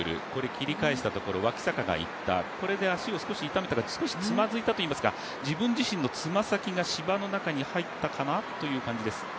切り返したところ、脇坂がいったここで足を痛めたか、少しつまずいたといいますか、自分自身の爪先が芝の中に入ったかなという感じです。